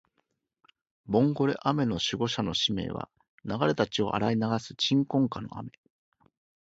ボンゴレ雨の守護者の使命は、流れた血を洗い流す鎮魂歌の雨